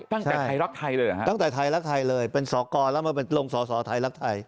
ตั้งแต่ไทยรักไทยเลยเหรอฮะตั้งแต่ไทยรักไทยเลยเป็นสอกรแล้วมาลงสอสอไทยรักไทย